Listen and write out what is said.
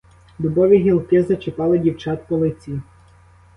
Дубові гілки зачіпали дівчат по лиці.